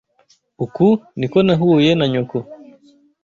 Uku niko nahuye na nyoko.